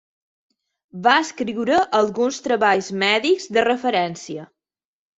Va escriure alguns treballs mèdics de referència.